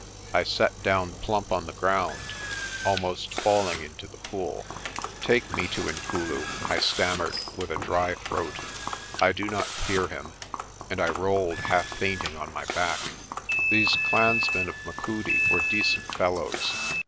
I sat down plump on the ground, almost falling into the pool. "Take me to Inkulu," I stammered with a dry throat. "I do not fear him," and I rolled half fainting on my back. 184 PRESTER JOHN These clansmen of Machudi were decent fellows.